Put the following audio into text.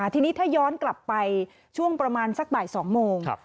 ทีนี้ถ้าย้อนกลับไปช่วงประมาณสักบ่าย๒โมง